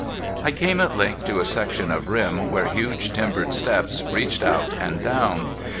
I came at length to a section of rim where huge timbered steps reached out and down.